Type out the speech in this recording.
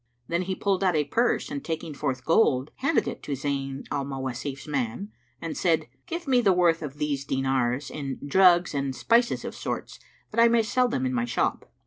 Then he pulled out a purse and taking forth gold, handed it to Zayn al Mawasif's man and said, "Give me the worth of these dinars in drugs and spices of sorts, that I may sell them in my shop."